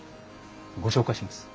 ご紹介します。